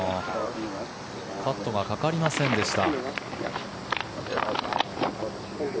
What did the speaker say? カットがかかりませんでした。